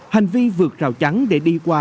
hành vi vượt rào chắn để đi qua